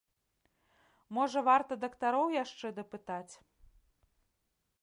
Можа, варта дактароў яшчэ дапытаць?